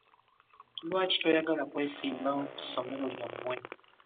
Lwaki toyagala kwesimbawo ku somero lyamwe?